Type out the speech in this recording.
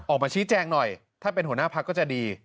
ออกมาชี้แจงหน่อยถ้าเป็นหัวหน้าพักก็จะดี